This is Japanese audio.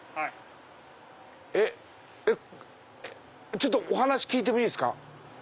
ちょっとお話聞いてもいいですか？